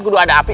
kedua ada api